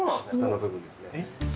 蓋の部分ですね